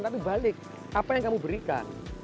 tapi balik apa yang kamu berikan